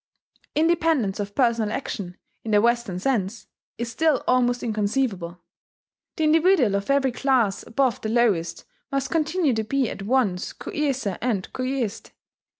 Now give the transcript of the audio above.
Independence of personal action, in the Western sense, is still almost inconceivable. The individual of every class above the lowest must continue to be at once coercer and coerced.